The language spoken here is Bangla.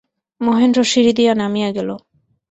মহেন্দ্র সিঁড়ি দিয়া নামিয়া গেল।